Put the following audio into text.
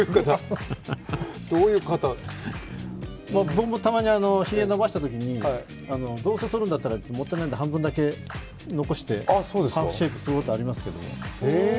どういう方僕もたまに、ひげを伸ばしたときにどうせそるんだったらもったいないので半分だけ残してハーフシェイブすることありますけど。